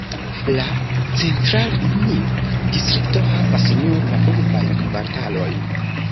La "Centralnij"-distrikto havas nur la urbajn kvartalojn.